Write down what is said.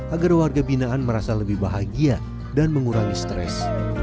agar warga binaan merasa lebih bahagia dan mengurangi stres